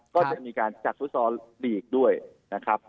ก็จะมีการจัดพุทธศาสตร์ลีกด้วยนะครับ